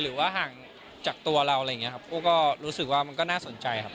หรือว่าห่างจากตัวเราอะไรอย่างนี้ครับโอ้ก็รู้สึกว่ามันก็น่าสนใจครับ